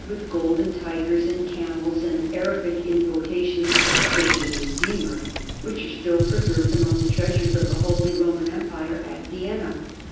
244 NORMANS IN EUROPEAN HISTORY with golden tigers and camels and Arabic invocations to the Christian Redeemer, which are still preserved among the treasures of the Holy Roman Empire at Vienna.